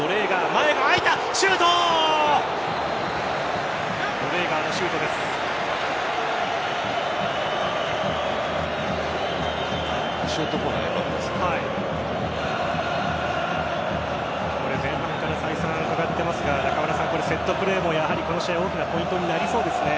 前半から再三、伺ってますがセットプレーもやはりこの試合大きなポイントになりそうですね。